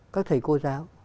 các thầy cô giáo